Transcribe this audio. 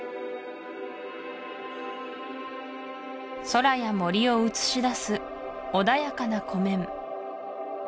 空や森を映し出す穏やかな湖面